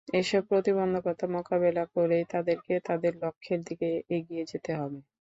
এসব প্রতিবন্ধকতা মোকাবেলা করেই তাদেরকে তাদের লক্ষ্যের দিকে এগিয়ে যেতে হবে।